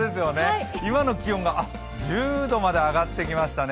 今の気温が１０度まで上がってきましたね。